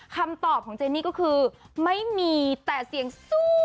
คำตอบของเจนี่ก็คือไม่มีแต่เสียงสู้